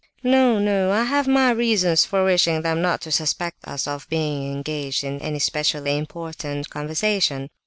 "No, no! I have my reasons for wishing them not to suspect us of being engaged in any specially important conversation.